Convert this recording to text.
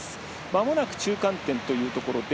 まもなく中間点というところ。